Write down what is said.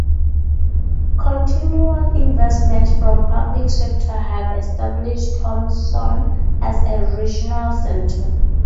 Continual investments from public sector have established Thompson as a regional center.